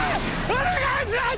お願いします。